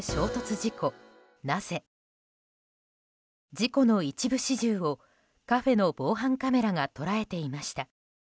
事故の一部始終をカフェの防犯カメラが捉えていました。